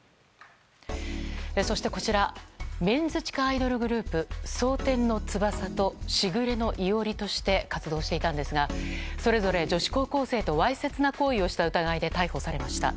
そして、こちらメンズ地下アイドルグループ蒼天の翼と時雨の伊織として活動していたんですがそれぞれ女子高校生とわいせつな行為をした疑いで逮捕されました。